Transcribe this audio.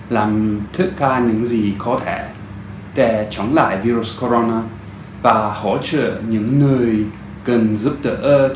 làm tất cả những gì có thể để chống lại virus corona và hỗ trợ những người cần giúp đỡ trong thời điểm khó hạn này